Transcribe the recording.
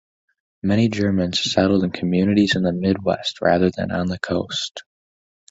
Many Germans settled in communities in the Midwest rather than on the coast.